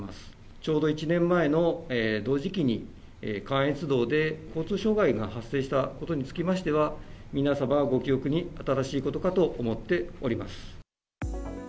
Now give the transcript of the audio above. ちょうど１年前の同時期に、関越道で交通障害が発生したことにつきましては、皆様、ご記憶に新しいことかと思っております。